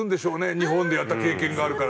日本でやった経験があるから。